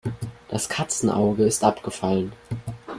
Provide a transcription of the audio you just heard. Das Katzenauge ist abgefallen.